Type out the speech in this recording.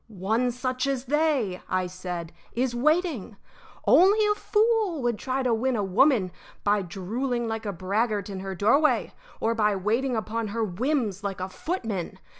"One such as they," I said, "is waiting. Only a fool would try to win a woman by drooling like a braggart in her doorway or by waiting upon her whims like a footman.